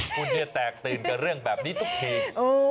คุณเนี่ยแตกตื่นกับเรื่องแบบนี้ทุกที